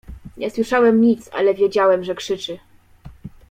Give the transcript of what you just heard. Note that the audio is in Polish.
"Nie słyszałem nic, ale wiedziałem, że krzyczy."